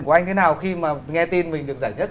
của anh thế nào khi mà nghe tin mình được giải nhất